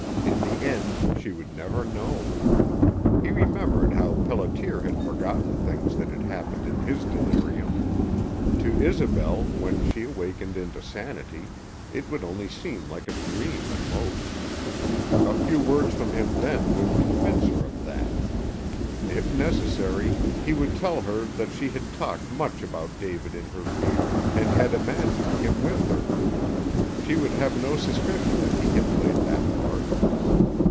In the end she would never know. He remembered how Pelliter had forgotten things that had happened in his delirium. To Isobel, when she awakened into sanity, it would only seem like a dream at most. A few words from him then would convince her of that. If necessary, he would tell her that she had talked much about David in her fever and had imagined him with her. She would have no suspicion that he had played that part.